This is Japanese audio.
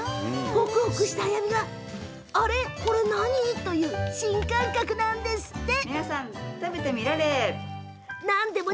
ホクホクした甘みがあれこれ何？っていう新感覚なんですって！